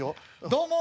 どうも。